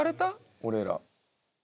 俺ら。